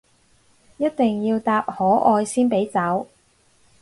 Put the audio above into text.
一定要答可愛先俾走